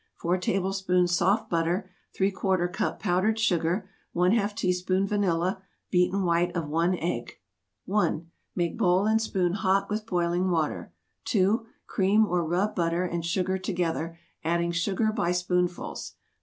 4 tablespoons soft butter ¾ cup powdered sugar ½ teaspoon vanilla beaten white of 1 egg 1. Make bowl and spoon hot with boiling water. 2. "Cream" or rub butter and sugar together, adding sugar by spoonfuls.